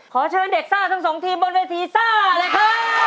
ขอเชิญเด็กซ่าทั้งสองทีมบนเวทีซ่าเลยครับ